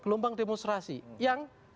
gelombang demonstrasi yang